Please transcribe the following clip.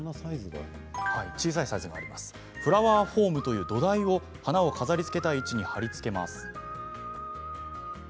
フラワーフォームという土台を花を飾りつけたい位置に貼り付けます。